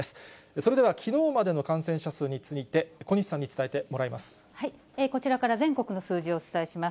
それではきのうまでの感染者数について、小西さんに伝えてもらいこちらから全国の数字をお伝えします。